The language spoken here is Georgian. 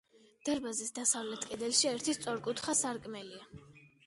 დარბაზის დასავლეთ კედელში ერთი სწორკუთხა სარკმელია.